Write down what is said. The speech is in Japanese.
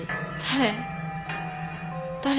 誰？